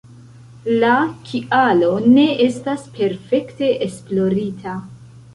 La kialo ne estas perfekte esplorita.